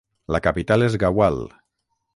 La capital és Gaoual.